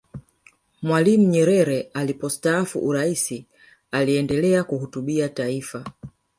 mwalimu nyerere alipostaafu uraisi aliendelea kuhutubia taifa